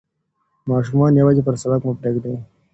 ماشومان یوازې پر سړک مه پریږدئ.